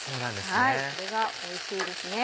これがおいしいですね。